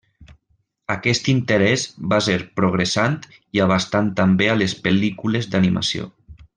Aquest interès va ser progressant i abastant també a les pel·lícules d'animació.